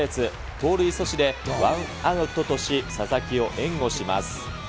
盗塁阻止でワンアウトとし、佐々木を援護します。